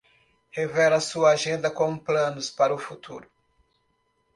Revela sua agenda com planos para o futuro